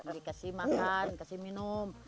dikasih makan kasih minum